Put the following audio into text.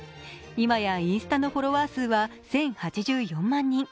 今やインスタのフォロワー数は１０８４万人。